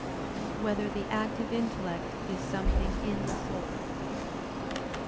4] Whether the Active Intellect Is Something in the Soul?